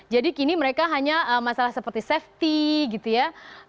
jadi kini mereka hanya masalah seperti safety gitu ya